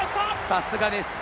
さすがです。